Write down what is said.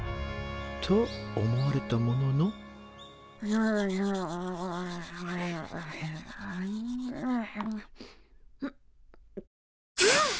と思われたもののんぐっ！